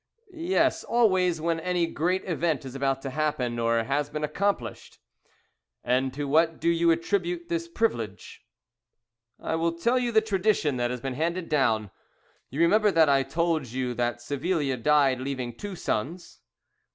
"Yes, always when any great event is about to happen or has been accomplished." "And to what do you attribute this privilege?" "I will tell you the tradition that has been handed down. You remember that I told you that Savilia died leaving two sons."